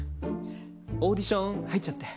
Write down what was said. オーディション入っちゃって。